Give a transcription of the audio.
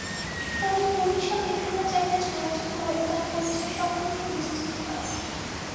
তবে পুলিশও বিভিন্ন জায়গায় যোগাযোগ করে তাঁর পরিচয় সম্পর্কে নিশ্চিত হয়।